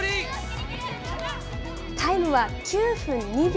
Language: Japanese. タイムは、９分２秒。